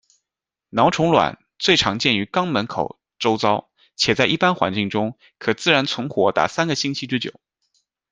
蛲虫卵最常见于肛门口周遭，且在一般环境中，可自然存活达三个星期之久。